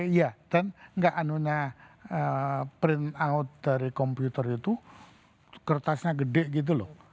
iya dan nggak anunya print out dari komputer itu kertasnya gede gitu loh